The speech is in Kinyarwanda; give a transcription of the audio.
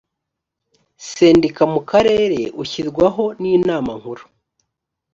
sendika mu karere ushyirwaho n inama nkuru